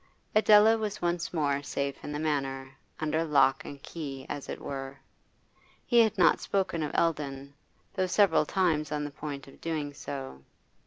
Adela was once more safe in the Manor, under lock and key, as it were. He had not spoken of Eldon, though several times on the point of doing so.